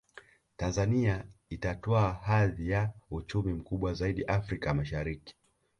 Tanzania itatwaa hadhi ya uchumi mkubwa zaidi Afrika Mashariki